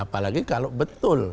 apalagi kalau betul